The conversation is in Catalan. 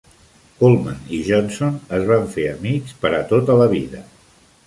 Coleman i Johnson es van fer amics per a tota la vida.